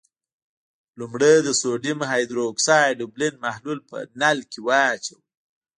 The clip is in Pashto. لومړی د سوډیم هایدرو اکسایډ اوبلن محلول په نل کې واچوئ.